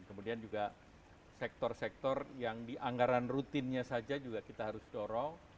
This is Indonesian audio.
kemudian juga sektor sektor yang di anggaran rutinnya saja juga kita harus dorong